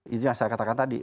itu yang saya katakan tadi